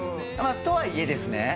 とはいえですね